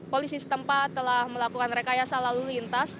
polisi setempat telah melakukan rekayasa lalu lintas